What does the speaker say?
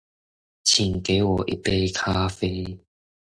請給我一杯咖啡